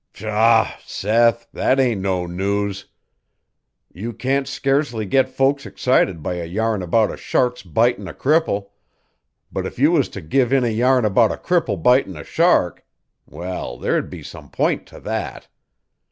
"Pshaw, Seth, that ain't no news. You can't scace'ly get folks excited by a yarn about a shark's bitin' a cripple but if you was to give in a yarn about a cripple bitin' a shark well, there'd be some point to that.